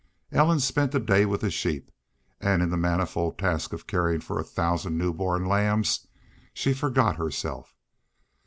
Ellen spent the day with the sheep; and in the manifold task of caring for a thousand new born lambs she forgot herself.